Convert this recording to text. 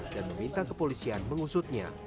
dan meminta kepolisian mengusutnya